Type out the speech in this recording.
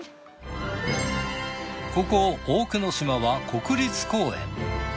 ここ大久野島は国立公園。